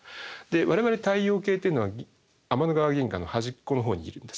我々太陽系っていうのは天の川銀河の端っこのほうにいるんですね。